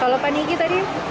kalau paniki tadi